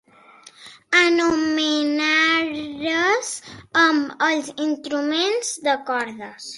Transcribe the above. Anomenares amb els instruments de cordes.